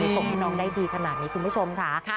ส่งให้น้องได้ดีขนาดนี้คุณผู้ชมค่ะ